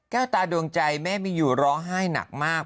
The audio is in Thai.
ตาดวงใจแม่มีอยู่ร้องไห้หนักมาก